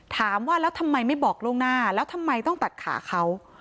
ถามว่าแล้วทำไมไม่บอกล่วงหน้าแล้วทำไมต้องตัดขาเขา